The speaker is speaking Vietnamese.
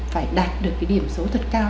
phải đạt được cái điểm số thật cao